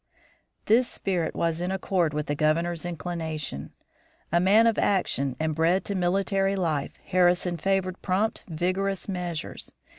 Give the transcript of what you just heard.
This spirit was in accord with the Governor's inclination. A man of action, and bred to military life, Harrison favored prompt, vigorous measures.